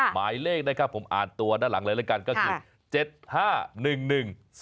หมายเลขนะครับผมอ่านตัวด้านหลังเลยละกันก็คือ๗๕๑๑๒